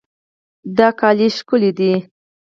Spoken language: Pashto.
دا جامې ښکلې دي.